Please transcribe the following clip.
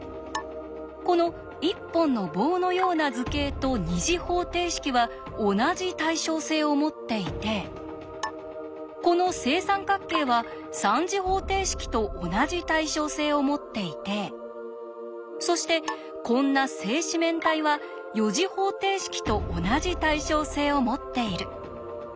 この一本の棒のような図形と２次方程式は同じ対称性を持っていてこの正三角形は３次方程式と同じ対称性を持っていてそしてこんな正四面体は４次方程式と同じ対称性を持っている。